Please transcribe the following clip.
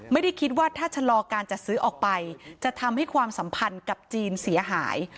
ไม่ได้คิดว่าถ้าชะลอการจัดซื้อออกไปจะทำให้ความสัมพันธ์กับจีนเสียหาย